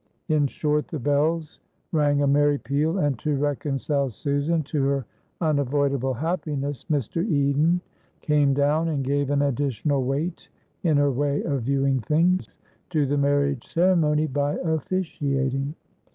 In short the bells rang a merry peal, and to reconcile Susan to her unavoidable happiness, Mr. Eden came down and gave an additional weight (in her way of viewing things) to the marriage ceremony by officiating.